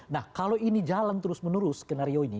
nah kalau ini jalan terus menerus skenario ini